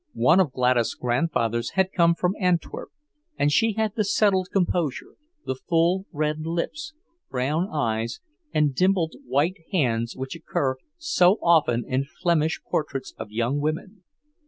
One of Gladys' grandfathers had come from Antwerp, and she had the settled composure, the full red lips, brown eyes, and dimpled white hands which occur so often in Flemish portraits of young women.